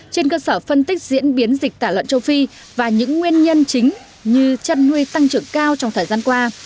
trên cơ sở phân tích diễn biến dịch tả lợn châu phi và những nguyên nhân chính như chăn nuôi tăng trưởng cao trong thời gian qua